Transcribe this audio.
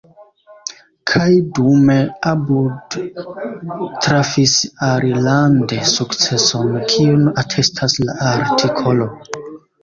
Kaj dume About trafis alilande sukceson, kiun atestas la artikolo.